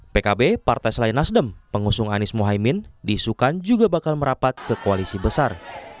pkb partai selain nasdem pengusung anies mohaimin diisukan juga bakal merapat ke koalisi besar